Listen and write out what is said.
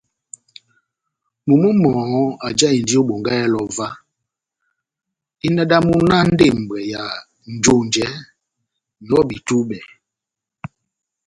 Momó mɔhɔ́ ajáhindi ó Bongáhɛlɛ óvah, dína náh ndembwɛ ya njonjɛ, ŋ’hɔ́bi túbɛ́.